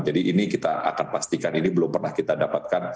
jadi ini kita akan pastikan ini belum pernah kita dapatkan